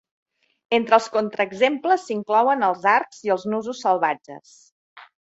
Entre els contraexemples s'inclouen els arcs i els nusos salvatges.